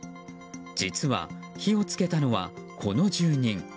実は、火を付けたのはこの住人。